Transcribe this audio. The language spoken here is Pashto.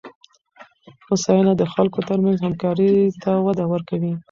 هوساینه د خلکو ترمنځ همکارۍ ته وده ورکوي.